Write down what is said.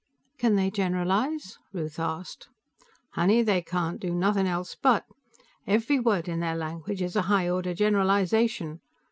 "Can they generalize?" Ruth asked. "Honey, they can't do nothin' else but! Every word in their language is a high order generalization.